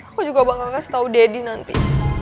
aku juga bakal kasih tau deddy nanti